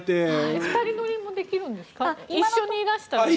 ２人乗りもできるんですか？